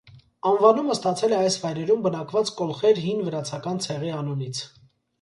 Անվանումը ստացել է այս վայրերում բնակված կոլխեր հին վրացական ցեղի անունից։